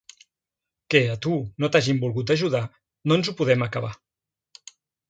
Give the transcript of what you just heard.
Que, a tu, no t'hagin volgut ajudar, no ens ho podem acabar.